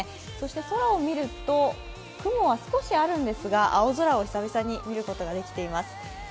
そして空を見ると雲は少しあるんですが、青空を久々に見ることができています。